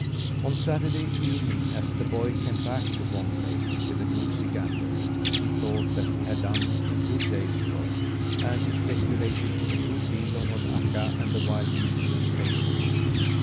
On Saturday evening, as the boy came back to Vomb Lake with the goosey gander, he thought that he had done a good day's work; and he speculated a good deal on what Akka and the wild geese would say to him.